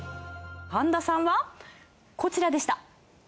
神田さんはこちらでした。